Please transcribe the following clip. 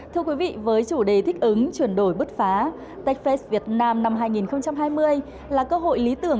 thưa quý vị với chủ đề thích ứng chuyển đổi bứt phá techfest việt nam năm hai nghìn hai mươi là cơ hội lý tưởng